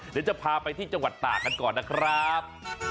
เดี๋ยวจะพาไปที่จังหวัดตากันก่อนนะครับ